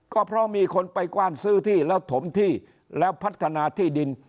ก็เพราะมีคนไปกว้านซื้อที่แล้วถมที่แล้วพัฒนาที่ดิน